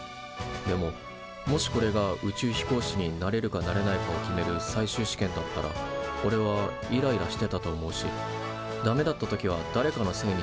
でももしこれが宇宙飛行士になれるかなれないかを決める最終試験だったらおれはイライラしてたと思うしダメだった時はだれかのせいにしてたんじゃないかと思う。